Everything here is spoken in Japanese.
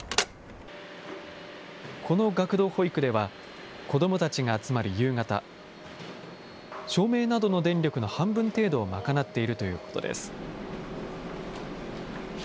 この学童保育では、子どもたちが集まる夕方、照明などの電力の半分程度を賄っているということです。